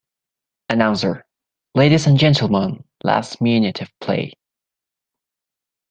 Announcer: Ladies and Gentlemen, last minute of play!